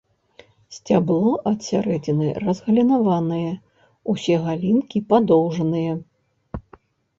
Сцябло ад сярэдзіны разгалінаваныя, усе галінкі падоўжаныя.